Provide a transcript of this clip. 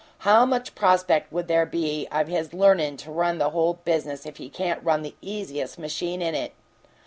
How much prospect would there be of his learnin' to run the whole business if he can't run the easiest machine in it?